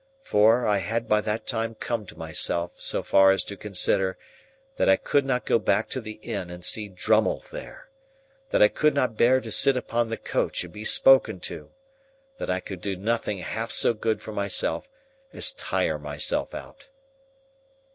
For, I had by that time come to myself so far as to consider that I could not go back to the inn and see Drummle there; that I could not bear to sit upon the coach and be spoken to; that I could do nothing half so good for myself as tire myself out.